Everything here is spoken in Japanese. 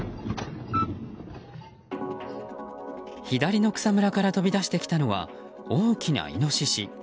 左の草むらから飛び出してきたのは大きなイノシシ。